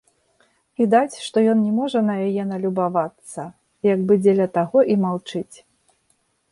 Відаць, што ён не можа на яе налюбавацца, як бы дзеля таго і маўчыць.